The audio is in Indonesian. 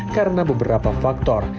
karena beberapa faktor